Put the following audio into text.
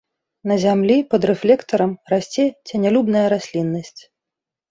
На зямлі пад рэфлектарам расце ценялюбная расліннасць.